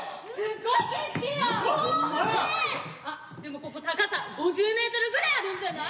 あっでもここ高さ５０メートルぐらいあるんじゃない？